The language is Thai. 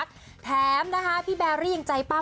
โอเคค่ะฟังเสียงหน่อยจ้า